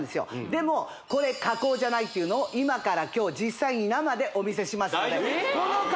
でもこれ加工じゃないっていうのを今から今日実際に生でお見せしますので大丈夫ですか？